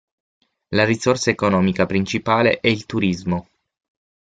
La risorsa economica principale è il turismo.